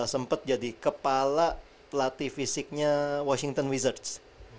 sempet jadi kepala pelatih fisiknya washington wizards